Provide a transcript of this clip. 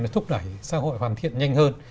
nó thúc đẩy xã hội hoàn thiện nhanh hơn